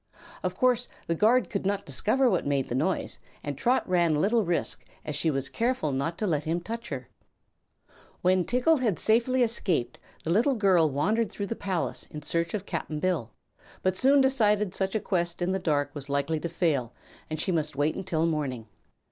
Of course the guard could not discover what made the noise and Trot ran little risk, as she was careful not to let him touch her. When Tiggle had safely escaped, the little girl wandered through the palace in search of Cap'n Bill, but soon decided such a quest in the dark was likely to fail and she must wait until morning.